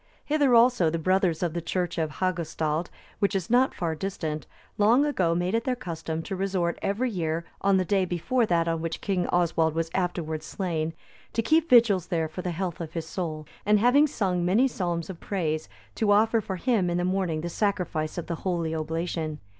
Hither also the brothers of the church of Hagustald,(291) which is not far distant, long ago made it their custom to resort every year, on the day before that on which King Oswald was afterwards slain, to keep vigils there for the health of his soul, and having sung many psalms of praise, to offer for him in the morning the sacrifice of the Holy Oblation.